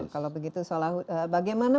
kalau begitu bagaimana